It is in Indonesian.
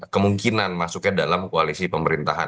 kemungkinan masuknya dalam koalisi pemerintahan